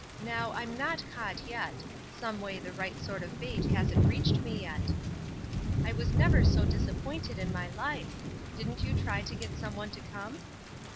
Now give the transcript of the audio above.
Now, I'm not caught yet; someway the right sort of bait hasn't reached me yet.' I was never so disappointed in my life! Didn't you try to get some one to come?"